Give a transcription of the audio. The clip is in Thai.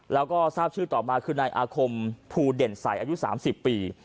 แล้วก็ทราบชื่อต่อมาคือนายอาคมภูเด่นใสอายุ๓๐ปี